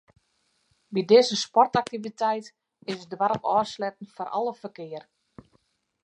By dizze sportaktiviteit is it doarp ôfsletten foar alle ferkear.